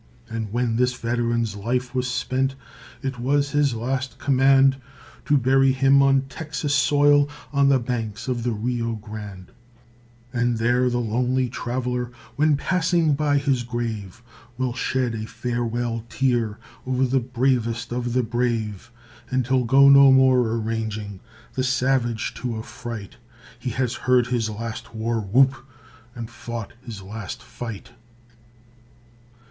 And when this veteran's life was spent, It was his last command To bury him on Texas soil On the banks of the Rio Grande; And there the lonely traveler, When passing by his grave, Will shed a farewell tear O'er the bravest of the brave. And he'll go no more a ranging, The savage to affright; He has heard his last war whoop, And fought his last fight.